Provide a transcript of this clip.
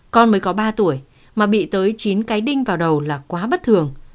con mới có ba tuổi mà bị tới chín cái đinh vào đầu là quá bất thường